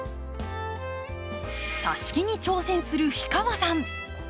さし木に挑戦する氷川さん。